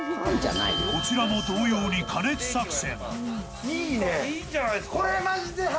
［こちらも同様に加熱作戦］